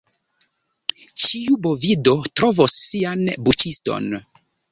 Ĉiu bovido trovos sian buĉiston.